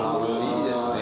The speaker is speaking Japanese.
いいですね。